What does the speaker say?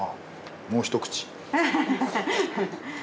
もう一口。